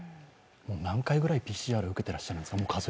何回ぐらいＰＣＲを受けていらっしゃるんですか？